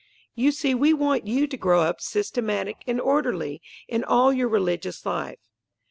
You see we want you to grow up systematic and orderly in all your religious life.